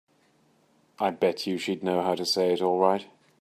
I bet you she'd know how to say it all right.